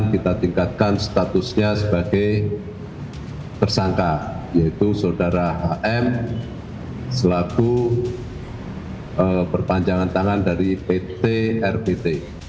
kita tingkatkan statusnya sebagai tersangka yaitu saudara hm selaku perpanjangan tangan dari pt rpt